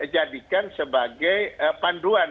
jadikan sebagai panduan